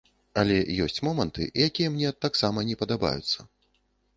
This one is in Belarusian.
Але ёсць моманты, якія мне таксама не падабаюцца.